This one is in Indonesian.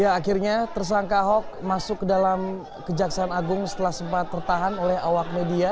ya akhirnya tersangka ahok masuk ke dalam kejaksaan agung setelah sempat tertahan oleh awak media